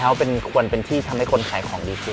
เราเองอยากลองเลย